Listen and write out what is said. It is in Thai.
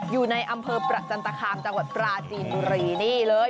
อยู่ในอำเภอประจันตคามจังหวัดปราจีนบุรีนี่เลย